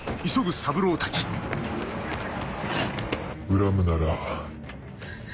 恨むなら。